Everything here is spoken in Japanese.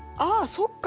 そっか！